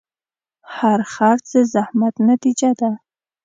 هر خرڅ د زحمت نتیجه ده.